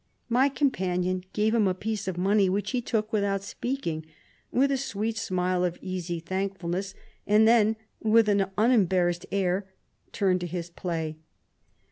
My companion gave him a piece of money, which he took without speak ing, with a sweet smile of easy thank fulness, and then with an unembar rassed air turned to his play.